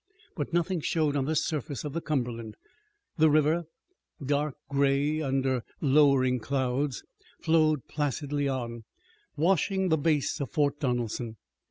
But nothing showed on the surface of the Cumberland. The river, dark gray under lowering clouds, flowed placidly on, washing the base of Fort Donelson.